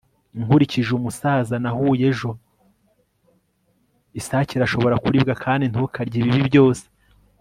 Nkurikije umusaza nahuye ejo isake irashobora kuribwa kandi ntukarye ibibi byose